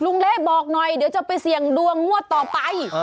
เละบอกหน่อยเดี๋ยวจะไปเสี่ยงดวงงวดต่อไป